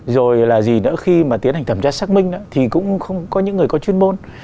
rồi là gì nữa khi mà tiến hành thẩm tra xác minh thì cũng không có những người có chuyên môn